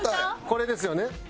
これですよね？